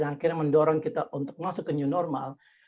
yang akhirnya mendorong kita untuk masuk ke new normal